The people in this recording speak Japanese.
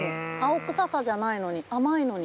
青臭さじゃないのに甘いのに。